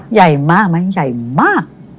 ใหญ่มาก